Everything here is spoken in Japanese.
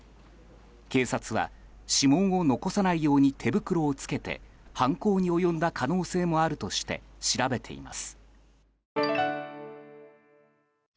警察は、指紋を残さないように手袋を着けて犯行に及んだ可能性もあるとして調べています。